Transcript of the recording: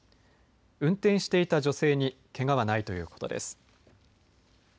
運転していた女性にけがはないということです。